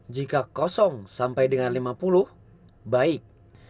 jika kosong sampai dengan lima puluh baik